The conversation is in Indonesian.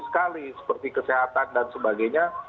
sekali seperti kesehatan dan sebagainya